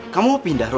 kamu mau pindah roro